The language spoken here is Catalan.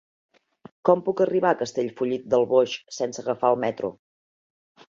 Com puc arribar a Castellfollit del Boix sense agafar el metro?